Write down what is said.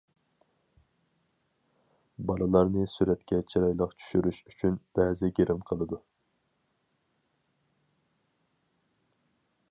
بالىلارنى سۈرەتكە چىرايلىق چۈشۈرۈش ئۈچۈن بەزى گىرىم قىلىدۇ.